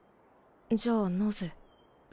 じゃあなぜ。